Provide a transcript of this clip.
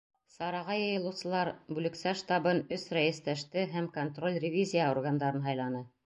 Сараға йыйылыусылар бүлексә штабын, өс рәйестәште һәм контроль-ревизия органдарын һайланы.